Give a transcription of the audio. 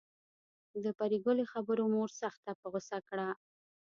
د پري ګلې خبرو مور سخته په غصه کړه